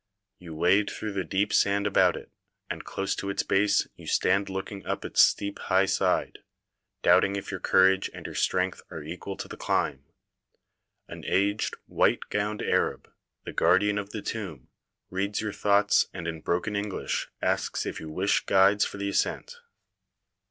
You wade through the deep sand about it, and close to its base you stand looking up its steep high side, doubting if your courage and your strength are equal to the climb. An aged, white gowned Arab, the guardian of the tomb, reads your thoughts and in broken English asks if you wish guides for the ascent.